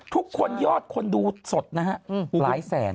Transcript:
ยอดคนดูสดนะฮะหลายแสน